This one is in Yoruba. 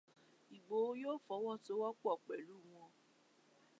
Ìgbòho yóò fọwọ́sowọ́pọ̀ pẹ̀lú wọn.